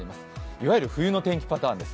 いわゆる冬の天気パターンです。